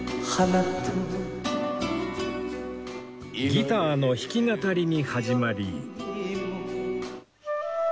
ギターの弾き語りに始まり